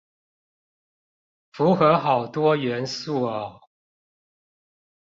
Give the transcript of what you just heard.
符合好多元素喔